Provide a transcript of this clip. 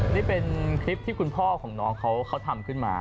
นี่เป็นคลิปที่คุณพ่อของน้องเขาทำขึ้นมา